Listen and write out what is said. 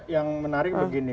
yang menarik begini